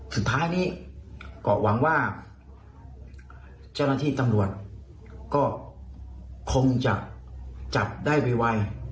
สุดท้ายนี้ก็หวังว่าเจ้าหน้าที่ตำรวจก็คงจะจับได้ไว